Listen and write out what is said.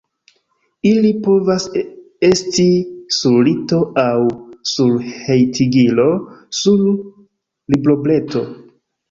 Ili povas esti sur lito aŭ sur hejtigilo, sur librobreto.